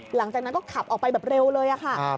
หลังจากนั้นก็ขับออกไปแบบเร็วเลยค่ะ